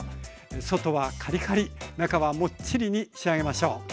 外はカリカリ中はモッチリに仕上げましょう。